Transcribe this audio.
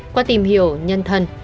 qua tìm hiểu nhân thân